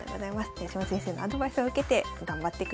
豊島先生のアドバイスを受けて頑張ってください。